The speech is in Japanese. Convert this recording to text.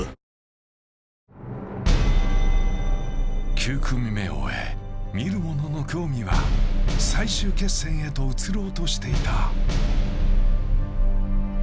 ９組目を終え、見る者の興味は最終決戦へと移ろうとしていた。